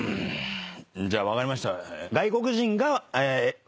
じゃあ分かりました。